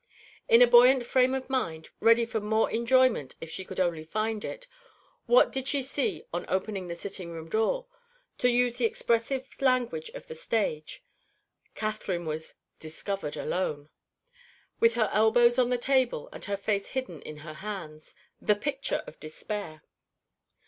In a buoyant frame of mind, ready for more enjoyment if she could only find it, what did she see on opening the sitting room door? To use the expressive language of the stage, Catherine was "discovered alone" with her elbows on the table, and her face hidden in her hands the picture of despair.